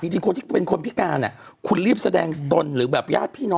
เช่นควรพิการเนี่ย